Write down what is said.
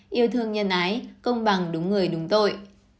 yêu thương nhân ái công bằng đúng người đúng tội